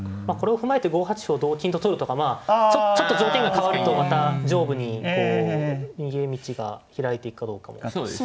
まあこれを踏まえて５八歩を同金と取るとかまあちょっと条件が変わるとまた上部にこう逃げ道が開いていくかどうかも。